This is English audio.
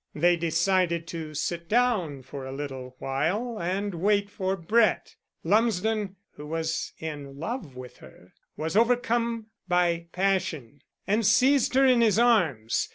They decided to sit down for a little while and wait for Brett. Lumsden, who was in love with her, was overcome by passion, and seized her in his arms.